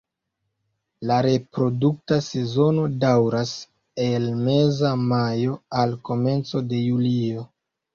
La reprodukta sezono daŭras el meza majo al komenco de julio.